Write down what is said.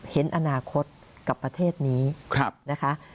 เห็นอนาคตกับประเทศนี้นะคะ